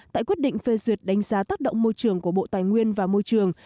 tại quyết định phê duyệt đánh giá tác động môi trường của bộ tài nguyên và môi trường